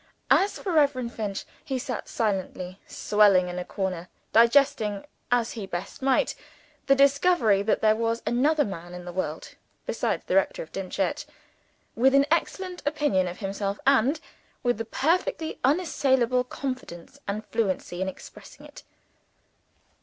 As to Reverend Finch, he sat silently swelling in a corner; digesting, as he best might, the discovery that there was another man in the world, besides the Rector of Dimchurch, with an excellent opinion of himself, and with perfectly unassailable confidence and fluency in expressing it.